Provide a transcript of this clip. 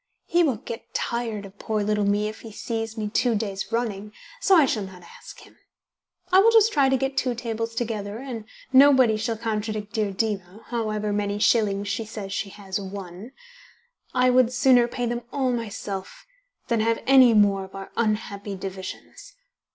He will get tired of poor little me if he sees me two days running, so I shall not ask him. I will just try to get two tables together, and nobody shall contradict dear Diva, however many shillings she says she has won. I would sooner pay them all myself than have any more of our unhappy divisions.